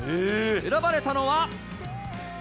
選ばれたのは。